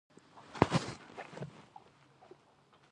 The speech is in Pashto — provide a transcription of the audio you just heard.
رسوب د ټولو افغانانو د ګټورتیا یوه ډېره مهمه برخه ده.